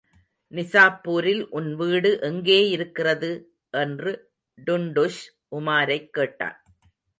நிசாப்பூரில் உன் வீடு எங்கேயிருக்கிறது? என்று டுன்டுஷ் உமாரைக் கேட்டான்.